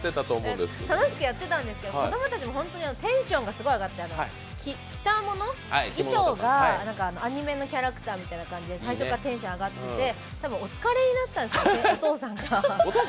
楽しくやってましたが子供たちもテンションがすごく上がって着たもの、衣装が、アニメのキャラクターみたいな感じで最初からテンション上がってて、でも、お父さんがお疲れになったんですよね。